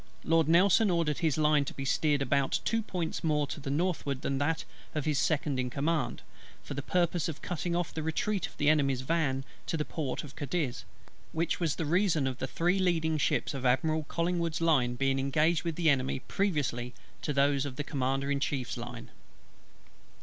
Lord NELSON ordered his line to be steered about two points more to the northward than that of his Second in Command, for the purpose of cutting off the retreat of the Enemy's van to the port of Cadiz; which was the reason of the three leading ships of Admiral COLLINGWOOD's line being engaged with the Enemy previously to those of the Commander in Chief's line.